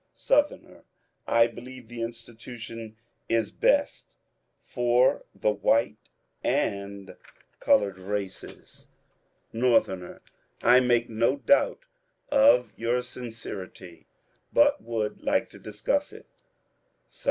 Southerner, — I believe the institution is best for the white and coloured races. THE ONE PATH 233 Northerner. — I make no doubt of your sincerity, but would like to discuss it Sou.